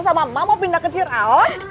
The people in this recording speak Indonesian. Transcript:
sama mama mau pindah ke cireawas